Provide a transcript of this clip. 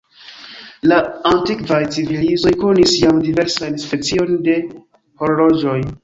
La antikvaj civilizoj konis jam diversajn speciojn de horloĝoj.